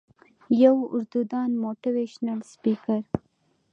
يو اردو دان موټيوېشنل سپيکر